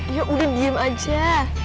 ya udah diam aja